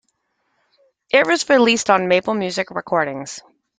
It was released on MapleMusic Recordings.